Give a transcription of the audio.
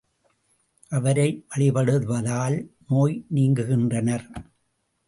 அவரை வழிபடுவதால் நோய் நீங்குகின்றனர்.